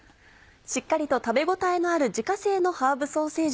しっかりと食べ応えのある自家製の「ハーブソーセージ」。